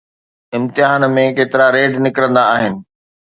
امتحان ۾ ڪيترا ريڊ نڪرندا آهن؟